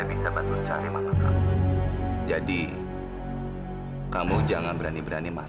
berarti saya harus bantu rizky buat nyari ibunya